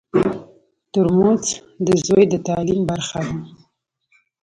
ترموز د زوی د تعلیم برخه ده.